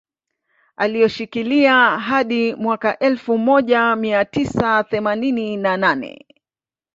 Alioshikilia hadi mwaka elfu moja mia tisa themanini na nane